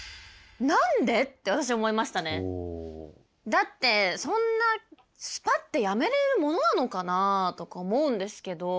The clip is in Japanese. だってそんなスパッてやめれるものなのかなとか思うんですけど。